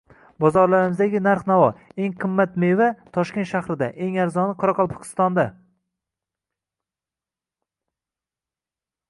Bozorlarimizdagi narx-navo: eng qimmat meva Toshkent shahrida, eng arzoni Qoraqalpog‘istonda